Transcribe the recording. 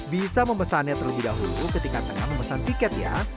bisa memesannya terlebih dahulu ketika tengah memesan tiket ya